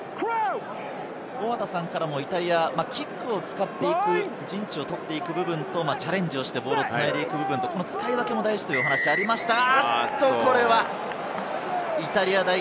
大畑さんからも、イタリアはキックを使って陣地を取っていく部分と、チャレンジしてボールを繋いでいく部分、使い分けが大事という話がありましたが。